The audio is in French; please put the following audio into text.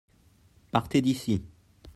Partez d'ici.